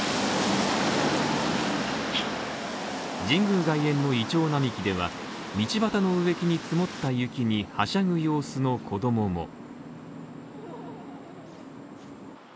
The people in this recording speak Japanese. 神宮外苑のイチョウ並木では道端の植木に積もった雪にはしゃぐ様子の子供も。